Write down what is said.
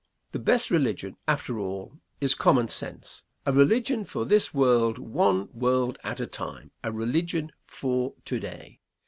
The best religion, after all, is common sense; a religion for this world, one world at a time, a religion for to day.